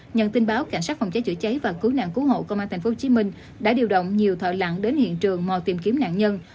nhận tin báo cảnh sát phòng cháy chữa cháy và cứu nạn cứu hộ công an tp hcm đã điều động nhiều thợ lặng đến hiện trường mò tìm kiếm nạn nhân